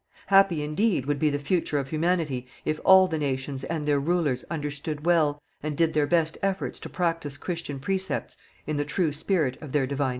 Happy indeed would be the future of Humanity if all the Nations and their Rulers understood well, and did their best efforts to practice Christian precepts in the true spirit of their Divine teaching.